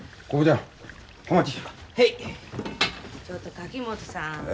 ちょっと垣本さん